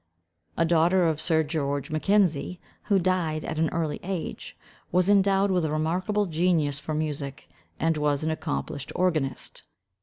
A daughter of Sir George Mackenzie, who died at an early age, was endowed with a remarkable genius for music, and was an accomplished organist.